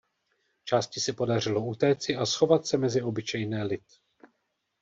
Části se podařilo utéci a schovat se mezi obyčejné lid.